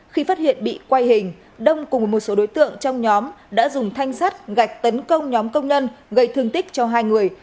khi phát hiện bị quay hình đông cùng một số đối tượng trong nhóm đã dùng thanh sắt gạch tấn công nhóm công nhân gây thương tích cho hai người